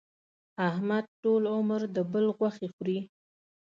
احمد ټول عمر د بل غوښې خوري.